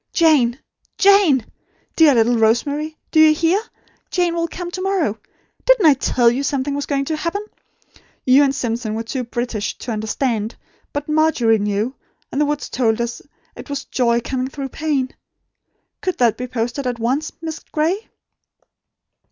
Jane! Jane! Dear little Rosemary, do you hear? Jane will come to morrow! Didn't I tell you something was going to happen? You and Simpson were too British to understand; but Margery knew; and the woods told us it was Joy coming through Pain. Could that be posted at once, Miss Gray?"